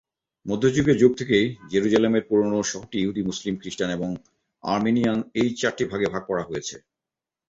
মধ্যযুগীয় যুগ থেকেই, জেরুসালেমের পুরানো শহরটি ইহুদি, মুসলিম, খ্রিস্টান এবং আর্মেনিয়ান এই চারটি ভাগে ভাগ করা হয়েছে।